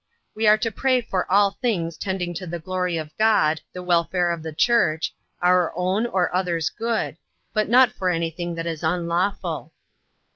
We are to pray for all things tending to the glory of God, the welfare of the church, our own or others' good; but not for anything that is unlawful.